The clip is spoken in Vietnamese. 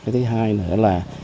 thứ hai nữa là